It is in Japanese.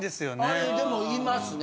あれでもいますね。